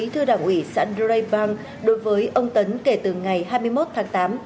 thưa đảng ủy sandra bram đối với ông tấn kể từ ngày hai mươi một tháng tám